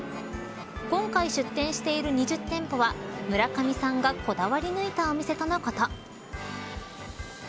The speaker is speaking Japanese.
今回、出店している２０店舗は村上さんがこだわり抜いたお店とのこと。